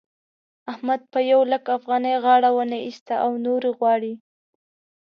احمد په يو لک افغانۍ غاړه و نه اېسته او نورې غواړي.